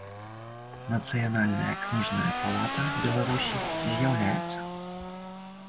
Нацыянальная кнiжная палата Беларусi з’яўляецца.